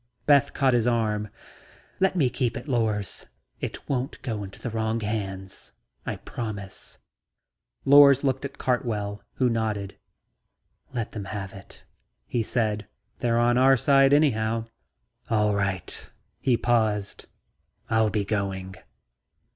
Beth caught has arm. "Let him keep it, Lors. It won't get into the wrong hands. I promise." Lors looked at Cartwell, who nodded. "Let them have it," he said. "They're on our side anyhow." "All right." He paused. "I'll be going..."